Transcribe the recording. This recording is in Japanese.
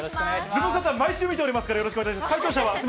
ズムサタ、毎週見ておりますから、よろしくお願いします。